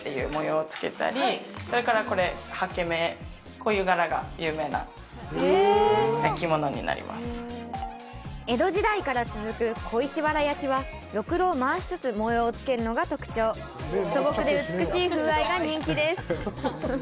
こういうふうにそれからこれ江戸時代から続く小石原焼はろくろを回しつつ模様を付けるのが特徴素朴で美しい風合いが人気です